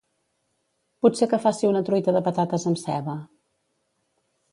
Potser que faci una truita de patates amb ceba